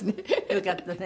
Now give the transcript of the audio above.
よかったね。